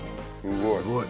すごい！